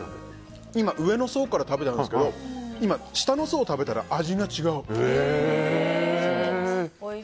今、上の層から食べたんですけど下の層を食べたら味が違う。